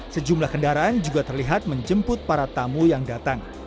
sejumlah kendaraan juga terlihat menjemput para tamu yang datang